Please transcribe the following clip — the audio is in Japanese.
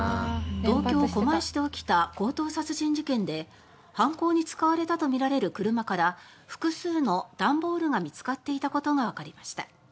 東京狛江市で起きた強盗殺人事件で犯行に使われたとみられる車から複数の段ボールが見つかっていた事がわかりました。